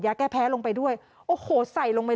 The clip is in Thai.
แก้แพ้ลงไปด้วยโอ้โหใส่ลงไป